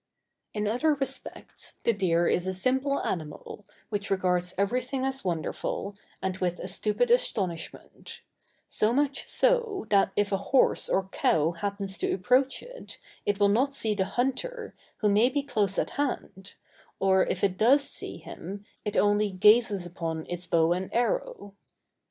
In other respects the deer is a simple animal, which regards everything as wonderful, and with a stupid astonishment; so much so, that if a horse or cow happens to approach it, it will not see the hunter, who may be close at hand, or, if it does see him, it only gazes upon his bow and arrow.